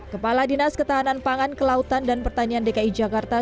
kepala dinas ketahanan pangan kelautan dan pertanian dki jakarta